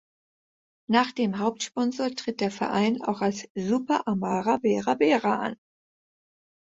Nach dem Hauptsponsor tritt der Verein auch als Super Amara Bera Bera an.